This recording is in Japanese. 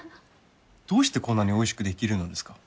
どうしてこんなにおいしくできるのですか？